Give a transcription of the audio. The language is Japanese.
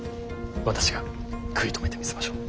私が食い止めてみせましょう。